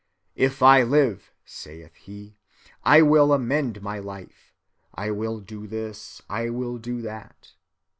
'If I live,' saith he, 'I will amend my life: I will do this, I will do that.